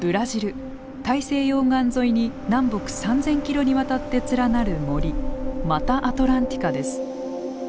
大西洋岸沿いに南北３，０００キロにわたって連なる森マタアトランティカです。